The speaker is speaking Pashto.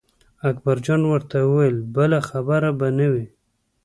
اکبر جان ورته وویل بله خبره به نه وي.